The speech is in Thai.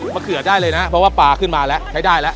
เขือได้เลยนะเพราะว่าปลาขึ้นมาแล้วใช้ได้แล้ว